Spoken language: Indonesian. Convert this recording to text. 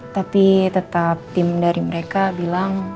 tapi tetap tim dari mereka bilang